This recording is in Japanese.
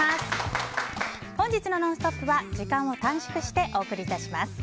本日の「ノンストップ！」は時間を短縮してお送りいたします。